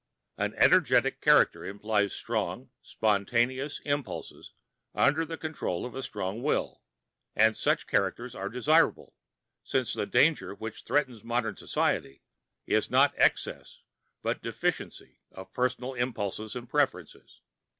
An energetic character implies strong, spontaneous impulses under the control of a strong will; and such characters are desirable, since the danger which threatens modern society is not excess but deficiency of personal impulses and preferences.